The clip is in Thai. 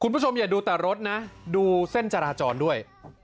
คุณผู้ชมอย่าดูแต่รถนะดูเส้นจราจรด้วย